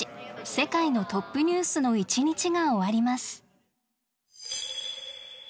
世界のトップニュース」の一日が終わります。